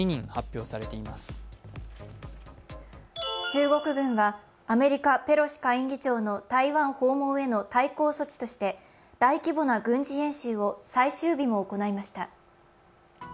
中国軍はアメリカペロシ下院議長の台湾訪問への対抗措置として大規模な軍事演習を最終日も行いました。